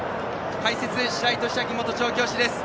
解説・白井寿昭元調教師です。